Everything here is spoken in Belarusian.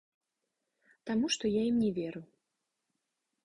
Таму што я ім не веру.